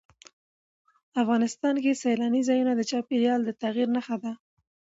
افغانستان کې سیلانی ځایونه د چاپېریال د تغیر نښه ده.